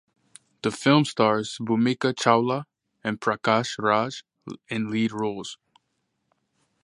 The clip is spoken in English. The film stars Bhumika Chawla and Prakash Raj in lead roles.